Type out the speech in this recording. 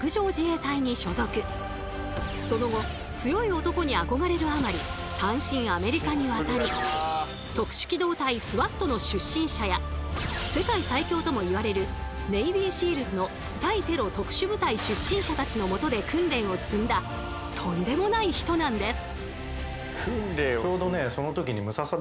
その後「強い男」に憧れるあまり単身アメリカに渡り特殊機動隊ＳＷＡＴの出身者や世界最強ともいわれる「ネイビーＳＥＡＬｓ」の対テロ特殊部隊出身者たちのもとで訓練を積んだとんでもない人なんです。